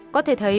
có thể thấy